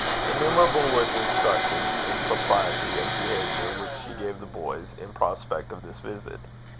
Innumerable were the instructions in propriety of behaviour which she gave the boys in prospect of this visit.